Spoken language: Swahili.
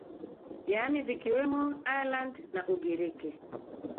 yaani zikiwemo ireland na ugiriki